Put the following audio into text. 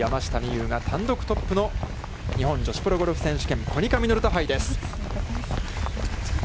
有が単独トップの日本女子プロゴルフ選手権大会コニカミノルタ杯です。